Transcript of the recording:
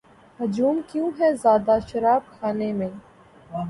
ہجوم کیوں ہے زیادہ شراب خانے میں